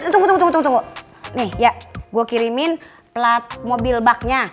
tunggu tunggu tunggu nih ya gue kirimin plat mobil baknya